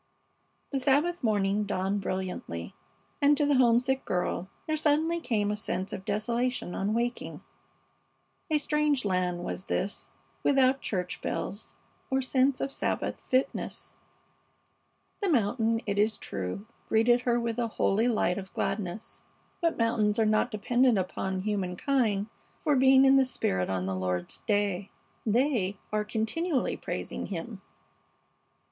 The Sabbath morning dawned brilliantly, and to the homesick girl there suddenly came a sense of desolation on waking. A strange land was this, without church bells or sense of Sabbath fitness. The mountain, it is true, greeted her with a holy light of gladness, but mountains are not dependent upon humankind for being in the spirit on the Lord's day. They are "continually praising Him."